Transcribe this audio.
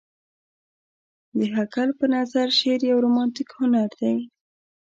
د هګل په نظر شعر يو رومانتيک هنر دى.